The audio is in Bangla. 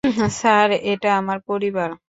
স্যার, এটা আমার পরিবার!